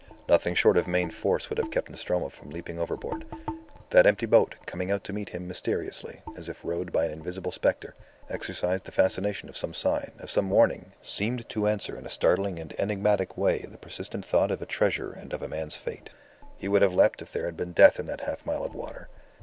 Nothing short of main force would have kept Nostromo from leaping overboard. That empty boat, coming out to meet him mysteriously, as if rowed by an invisible spectre, exercised the fascination of some sign, of some warning, seemed to answer in a startling and enigmatic way the persistent thought of a treasure and of a man's fate. He would have leaped if there had been death in that half mile of water.